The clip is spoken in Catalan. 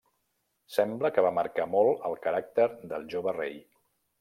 Sembla que va marcar molt el caràcter del jove rei.